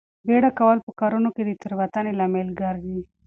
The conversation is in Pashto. بیړه کول په کارونو کې د تېروتنې لامل ګرځي.